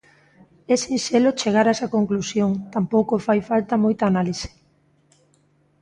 É sinxelo chegar a esa conclusión, tampouco fai falta moita análise.